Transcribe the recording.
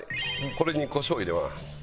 これにコショウ入れます。